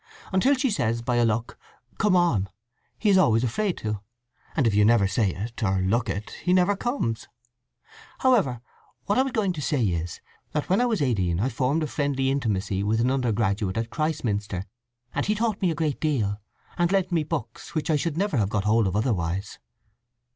Until she says by a look 'Come on' he is always afraid to, and if you never say it, or look it, he never comes. However, what I was going to say is that when I was eighteen I formed a friendly intimacy with an undergraduate at Christminster, and he taught me a great deal, and lent me books which I should never have got hold of otherwise."